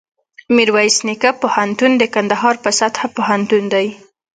میرویس نیکه پوهنتون دکندهار په سطحه پوهنتون دی